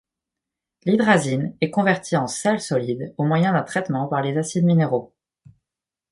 L’hydrazine est convertie en sels solides au moyen d’un traitement par les acides minéraux.